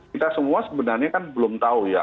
kita semua sebenarnya kan belum tahu ya